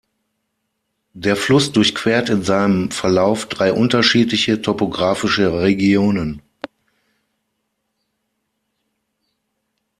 Der Fluss durchquert in seinem Verlauf drei unterschiedliche topographische Regionen.